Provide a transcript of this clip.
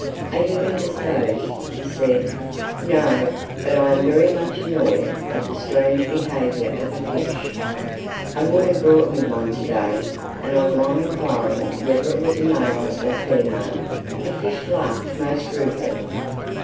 "Are you indisposed?" he said. "No; but I am very much annoyed at the strange behavior of a fish. A woman brought me one to day, and on my inquiring whether it was a male or female, the fish laughed most rudely."